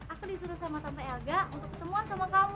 aku disuruh sama tante elga untuk ketemuan sama kamu